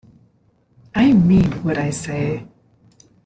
I mean what I say.